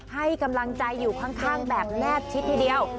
ให้กำลังใจอยู่ข้างแบบแนบชิดทีเดียว